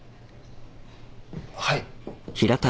はい。